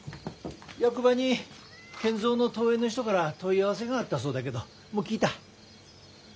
役場に賢三の遠縁の人から問い合わせがあったそうだけどもう聞いた？